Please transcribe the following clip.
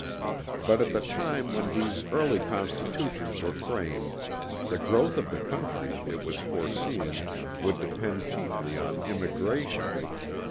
But at the time when these early constitutions were framed the growth of the country it was foreseen would depend chiefly on immigration.